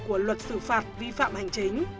của luật xử phạt vi phạm hành chính